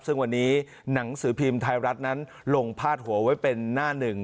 ซึ่งวันนี้หนังสือพิมพ์ไทยรัฐนั้นลงพาดหัวไว้เป็นหน้าหนึ่ง